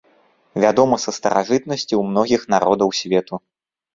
Вядома са старажытнасці ў многіх народаў свету.